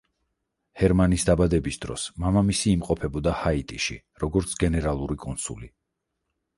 ჰერმანის დაბადების დროს მამამისი იმყოფებოდა ჰაიტიში, როგორც გენერალური კონსული.